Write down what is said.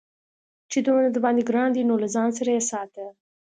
چې دومره درباندې گران دى نو له ځان سره يې ساته.